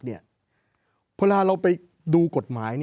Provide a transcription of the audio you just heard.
เวลาเราไปดูกฎหมาย